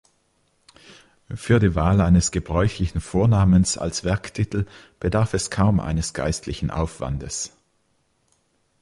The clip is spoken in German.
Für die Wahl eines gebräuchlichen Vornamens als Werktitel bedarf es kaum eines geistigen Aufwandes.